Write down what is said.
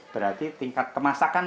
berarti tingkat kemasakan